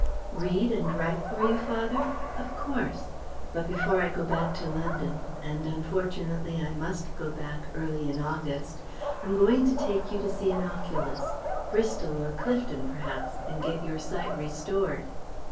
"Read and write for you, father? Of course! But before I go back to London and unfortunately I must go back early in August I'm going to take you to see an oculist Bristol or Clifton perhaps and get your sight restored."